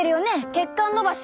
血管のばし。